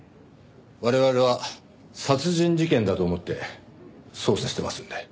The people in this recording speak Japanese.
我々は殺人事件だと思って捜査してますんで。